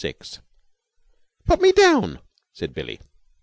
6 "Put me down," said Billie.